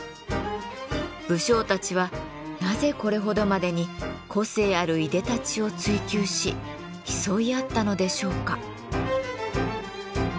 武将たちはなぜこれほどまでに個性あるいでたちを追求し競い合ったのでしょうか？